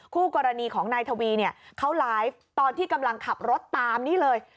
คู่กรณีของนายทวีเนี่ยเขาไลฟ์ตอนที่กำลังขับรถตามนี่เลย